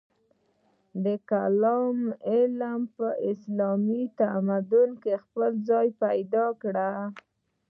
د کلام علم په اسلامي تمدن کې خپل ځای پیدا کړ.